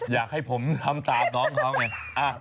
อยากให้ผมทำตามน้องเขาไง